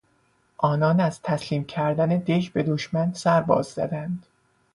آنان از تسلیم کردن دژ به دشمن سرباز زدند.